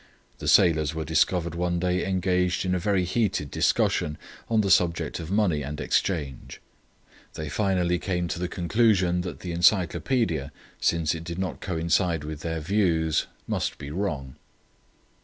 The sailors were discovered one day engaged in a very heated discussion on the subject of Money and Exchange. They finally came to the conclusion that the Encyclopædia, since it did not coincide with their views, must be wrong.